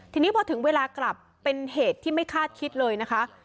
ทีนี้พอถึงเวลากลับเป็นเหตุที่ไม่คาดคิดเลยนะคะ